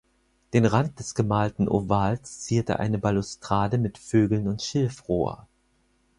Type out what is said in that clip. Den Rand des gemalten Ovals zierte eine Balustrade mit Vögeln und Schilfrohr.